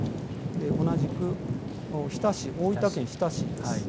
同じく日田市、大分県日田市です。